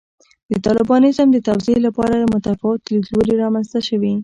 د طالبانیزم د توضیح لپاره متفاوت لیدلوري رامنځته شوي.